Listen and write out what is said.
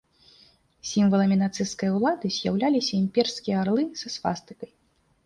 Сімваламі нацысцкай ўлады з'яўляліся імперскія арлы са свастыкай.